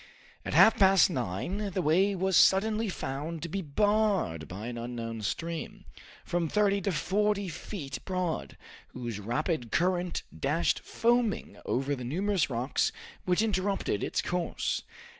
At half past nine the way was suddenly found to be barred by an unknown stream, from thirty to forty feet broad, whose rapid current dashed foaming over the numerous rocks which interrupted its course.